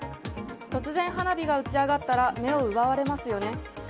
突然、花火が打ち上がったら目を奪われますよね。